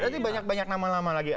artinya masih banyak nama nama lagi